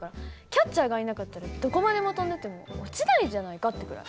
キャッチャーがいなかったらどこまでも飛んでっても落ちないんじゃないかってくらい。